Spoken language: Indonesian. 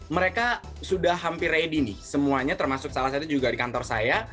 mereka sudah hampir ready nih semuanya termasuk salah satu juga di kantor saya